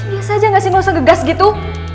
biasa aja gak sih gak usah ngegas gitu